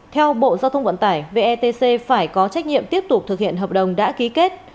theo bộ giao thông vận tải vetc phải có trách nhiệm tiếp tục thực hiện hợp đồng đã ký kết